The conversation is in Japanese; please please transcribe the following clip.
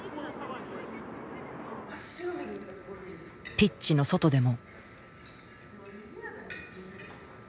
ピッチの外でも。